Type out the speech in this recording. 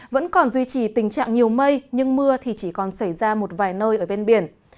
vẫn còn duy trì tình trạng nhiều mây nhưng mưa thì chỉ còn xảy ra một vài nơi ở ven biển